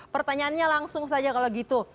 pertanyaannya langsung saja kalau gitu